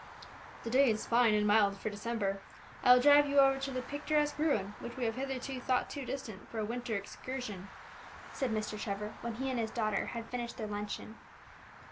"The day is fine, and mild for December; I will drive you over to the picturesque ruin which we have hitherto thought too distant for a winter excursion," said Mr. Trevor, when he and his daughter had finished their luncheon.